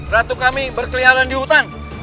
ratu kami berkeliaran di hutan